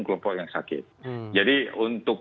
kelompok yang sakit jadi untuk